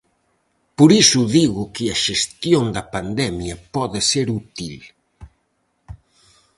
Por iso digo que a xestión da pandemia pode ser útil.